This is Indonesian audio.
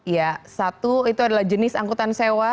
ya satu itu adalah jenis angkutan sewa